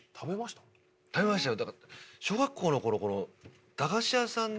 食べましたよ。